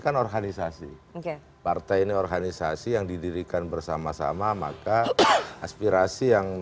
kan organisasi oke partai ini organisasi yang didirikan bersama sama maka aspirasi yang